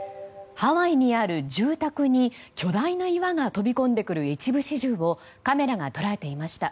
ハワイにある住宅に巨大な岩が飛び込んでくる一部始終をカメラが捉えていました。